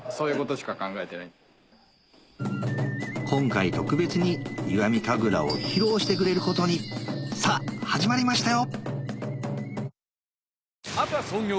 今回特別に石見神楽を披露してくれることにさぁ始まりましたよ！